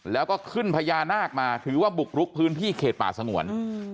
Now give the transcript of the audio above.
แล้วก็ขึ้นพญานาคมาถือว่าบุกรุกพื้นที่เขตป่าสงวน